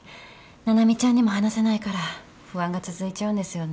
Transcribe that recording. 七海ちゃんにも話せないから不安が続いちゃうんですよね。